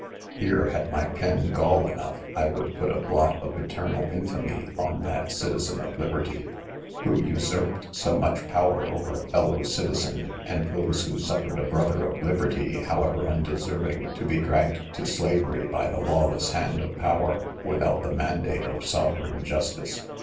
Here, had my pen gall enough, I would put a blot of eternal infamy on that citizen of liberty, who usurped so much power over a fellow citizen, and those who suffered a brother of liberty, however undeserving, to be dragged to slavery by the lawless hand of power, without the mandate of sovereign justice.